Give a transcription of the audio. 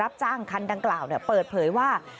รับจ้างคันดังกล่าวเปิดเผยว่า